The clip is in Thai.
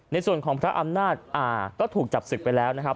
ในส่วนของพระอำนาจก็ถูกจับศึกไปแล้วนะครับ